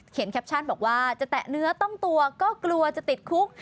แคปชั่นบอกว่าจะแตะเนื้อต้องตัวก็กลัวจะติดคุก